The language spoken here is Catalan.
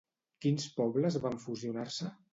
Quins pobles van fusionar-se?